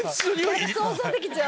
⁉想像できちゃう！